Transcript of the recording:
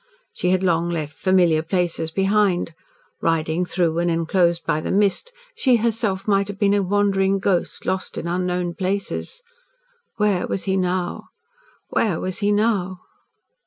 She had long left familiar places behind. Riding through and inclosed by the mist, she, herself, might have been a wandering ghost, lost in unknown places. Where was he now where was he now?